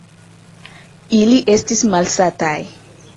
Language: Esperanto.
Ili estis malsataj.